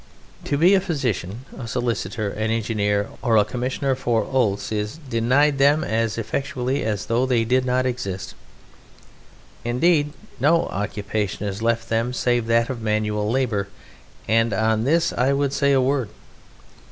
To be a physician, a solicitor, an engineer, or a Commissioner for Oaths is denied them as effectually as though they did not exist. Indeed, no occupation is left them save that of manual labour, and on this I would say a word.